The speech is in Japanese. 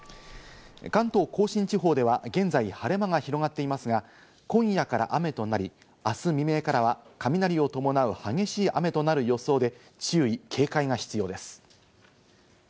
関東甲信地方では現在、晴れ間が広がっていますが、今夜から雨となり、あす未明からは雷を伴う激しい雨となる予想で、注意警戒が必要です。